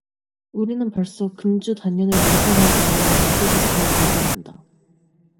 우리는 벌써 금주 단연을 논평할 관용이 없어졌음을 발견한다.